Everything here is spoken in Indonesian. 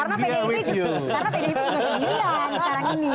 karena pdip sudah punya